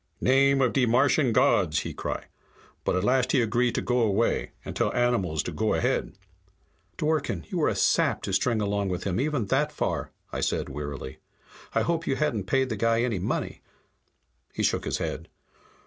'Name of de Martian gods!' he cry. But at last he agree to go away, and tell animals to go ahead." "Dworken, you were a sap to string along with him even that far," I said wearily. "I hope you hadn't paid the guy any money." He shook his head.